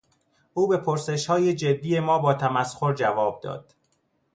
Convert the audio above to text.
او به پرسشهای جدی ما با تمسخر جواب داد.